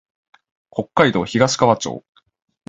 北海道東川町